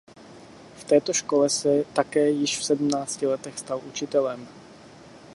V této škole se také již v sedmnácti letech stal učitelem.